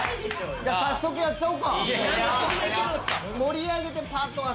じゃあ早速やっちゃおうか。